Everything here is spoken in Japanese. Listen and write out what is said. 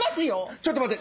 ⁉ちょっと待て。